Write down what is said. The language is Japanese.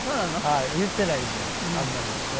はい言っていないんであんまり。